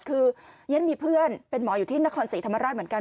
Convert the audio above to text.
คือฉันมีเพื่อนเป็นหมออยู่ที่นครศรีธรรมราชเหมือนกัน